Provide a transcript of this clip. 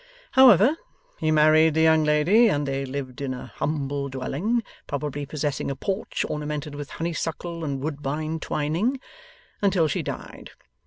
However, he married the young lady, and they lived in a humble dwelling, probably possessing a porch ornamented with honeysuckle and woodbine twining, until she died.